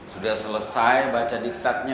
sudah selesai baca diktatnya